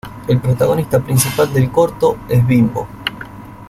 El protagonista principal del corto es Bimbo.